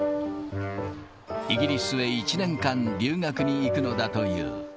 イギリスへ１年間、留学に行くのだという。